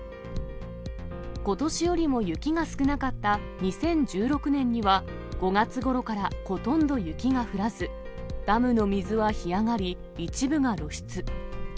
ことしよりも雪が少なかった２０１６年には、５月ごろからほとんど雪が降らず、ダムの水は干上がり、一部が露出。